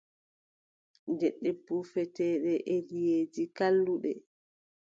Leɗɗe puufeteeɗe e liʼeeji, kalluɗe.